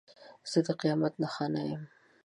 زه د قیامت نښانه یم.